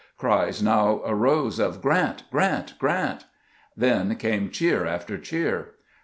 Cries now arose of " Q rant ! Grrant ! Grant !" Then came cheer after cheer.